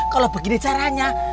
kalau begini caranya